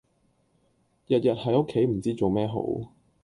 日日喺屋企唔知做咩好